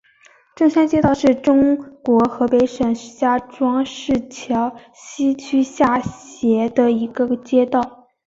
中山街道是中国河北省石家庄市桥西区下辖的一个街道。